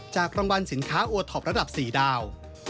รางวัลสินค้าโอท็อประดับ๔ดาว